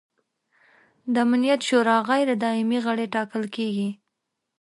د امنیت شورا غیر دایمي غړي ټاکل کیږي.